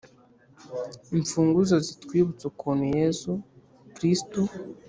-imfunguzo zitwibutsa ukuntu yezu kristu